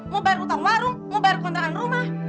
mau bayar utang warung mau bayar kontrakan rumah